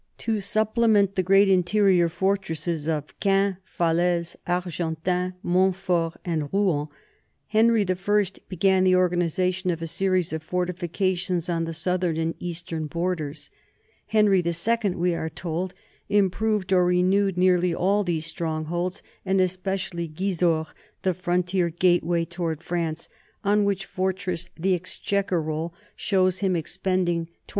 To supplement the great interior fortresses of Caen, Falaise, Argentan, Montfort, and Rouen, Henry I began the organization of a series of fortifications on the southern and eastern borders. Henry II, we are told, improved or renewed nearly all these strongholds, and especially Gisors, the frontier gateway toward France, on which fortress the exchequer 1 Guillaume le Breton, Philippide, v, lines 316 27.